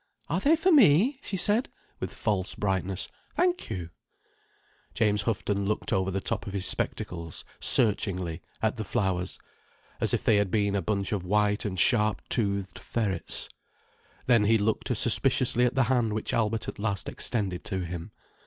"Are they for me?" she said, with false brightness. "Thank you." James Houghton looked over the top of his spectacles, searchingly, at the flowers, as if they had been a bunch of white and sharp toothed ferrets. Then he looked as suspiciously at the hand which Albert at last extended to him.